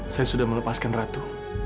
saya sudah melepaskan ratu